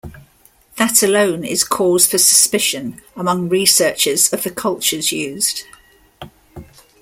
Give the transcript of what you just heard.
That alone is cause for suspicion among researchers of the cultures used.